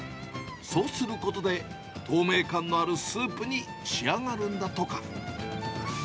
そうすることで、透明感のあるスープに仕上がるんだとか。